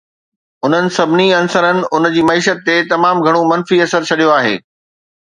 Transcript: انهن سڀني عنصرن ان جي معيشت تي تمام گهڻو منفي اثر ڇڏيو آهي.